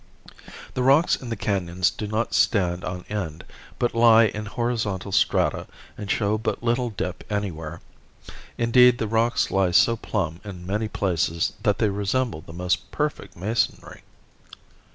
The rocks in the canons do not stand on end, but lie in horizontal strata and show but little dip anywhere. Indeed, the rocks lie so plumb in many places that they resemble the most perfect masonry.